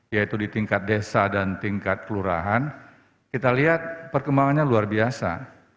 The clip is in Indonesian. yaitu di tingkat desa dan tingkat kelurahan kita lihat perkembangannya luar biasa